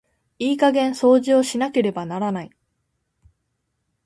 いい加減掃除をしなければならない。